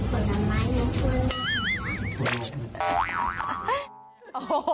ยากู้